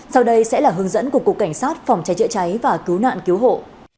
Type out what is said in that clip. sau đây sẽ là hướng dẫn của cục cảnh sát phòng cháy chữa cháy và cứu nạn cứu hộ